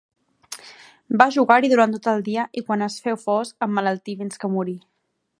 Va jugar-hi durant tot el dia i quan es féu fosc, emmalaltí fins que morí.